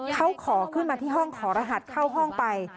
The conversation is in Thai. เขาขอขึ้นมาที่ห้องขอรหัสเข้าห้องไป